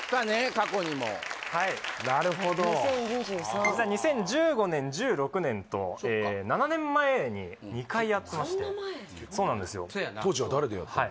過去にもなるほど２０２３実は２０１５年２０１６年と７年前に２回やってましてそんな前そうなんですよ当時は誰でやったの？